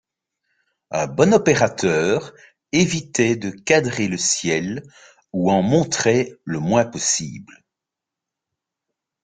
Un bon opérateur évitait de cadrer le ciel ou en montrait le moins possible.